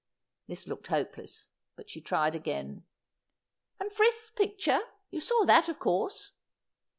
This looked hopeless, but she tried again. ' And Frith's picture ; you saw that of course.'